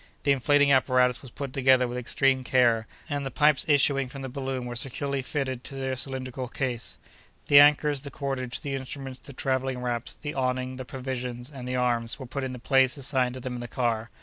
The inflating apparatus was put together with extreme care, and the pipes issuing from the balloon were securely fitted to the cylindrical case. The anchors, the cordage, the instruments, the travelling wraps, the awning, the provisions, and the arms, were put in the place assigned to them in the car.